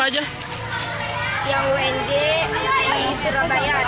yang unj yang surabaya ada yang di unpress juga pernah